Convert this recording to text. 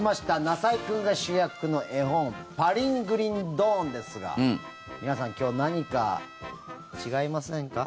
なさいくんが主役の絵本「パリングリンドーン」ですが皆さん、今日何か違いませんか？